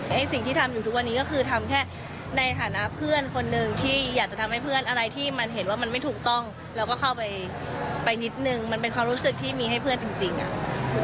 ไอ้สิ่งที่ทำอยู่ทุกวันนี้ก็คือทำแค่ในฐานะเพื่อนคนหนึ่งที่อยากจะทำให้เพื่อนอะไรที่มันเห็นว่ามันไม่ถูกต้องเราก็เข้าไปนิดนึงมันเป็นความรู้สึกที่มีให้เพื่อนจริงอะ